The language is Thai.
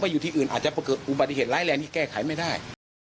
อาจจะเกิดอุบัติเหตุร้ายแรงที่แก้ไขไม่ได้